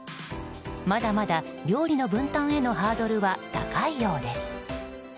まだまだ料理の分担へのハードルは高いようです。